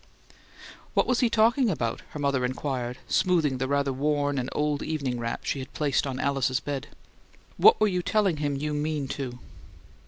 "What was he talking about?" her mother inquired, smoothing the rather worn and old evening wrap she had placed on Alice's bed. "What were you telling him you 'mean to?'"